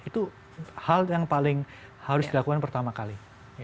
itu hal yang paling harus dilakukan pertama kali